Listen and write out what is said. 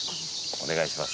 お願いします！